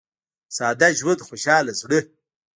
• ساده ژوند، خوشاله زړه.